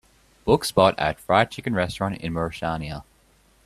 Book spot at Fried chicken restaurant in Mauritania